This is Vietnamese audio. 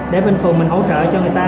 để bên phường mình hỗ trợ cho người ta